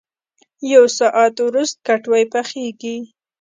یو ساعت ورست کټوۍ پخېږي.